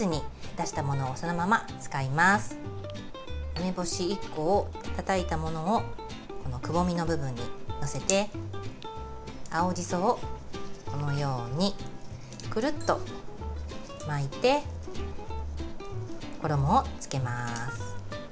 梅干し１個をたたいたものをくぼみの部分に載せて青じそをこのようにくるっと巻いて衣をつけます。